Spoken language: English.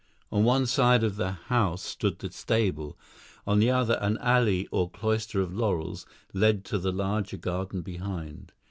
On one side of the house stood the stable, on the other an alley or cloister of laurels led to the larger garden behind.